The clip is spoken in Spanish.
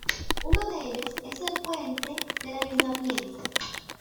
Uno de ellos es el puente del Ayuntamiento.